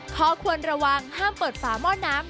ควรระวังห้ามเปิดฝาหม้อน้ำ